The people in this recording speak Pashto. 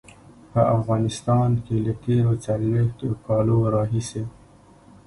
په افغانستان کې له تېرو څلويښتو کالو راهيسې.